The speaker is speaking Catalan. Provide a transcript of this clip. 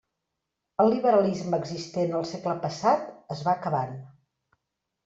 El liberalisme existent al segle passat es va acabant.